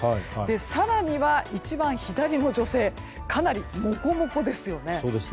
更には一番左の女性かなりモコモコですよね。